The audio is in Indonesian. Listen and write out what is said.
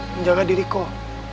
menjaga diri kau